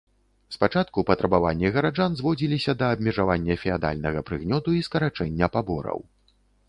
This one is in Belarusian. Спачатку патрабаванні гараджан зводзіліся да абмежавання феадальнага прыгнёту і скарачэння пабораў.